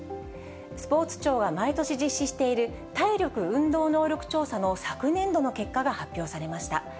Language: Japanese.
スポーツ庁が毎年実施している体力・運動能力調査の昨年度の結果が発表されました。